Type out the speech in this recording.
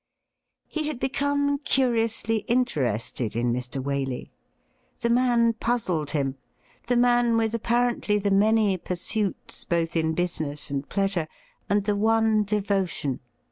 He had become curiously interested in Mr. Waley. The man puzzled him — the man with apparently the many pur suits, both in business and pleasure, and the one devotion.